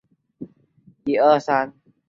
主要目标是